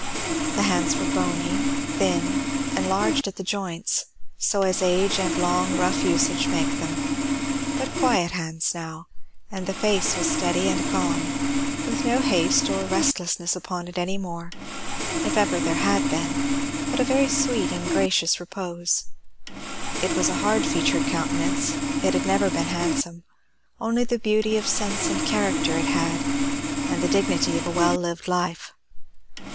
The hands were bony, thin, enlarged at the joints, so as age and long rough usage make them, but quiet hands now; and the face was steady and calm, with no haste or restlessness upon it any more, if ever there had been, but a very sweet and gracious repose. It was a hard featured countenance; it had never been handsome; only the beauty of sense and character it had, and the dignity of a well lived life.